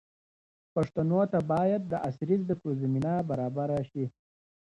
پښتنو ته باید د عصري زده کړو زمینه برابره شي.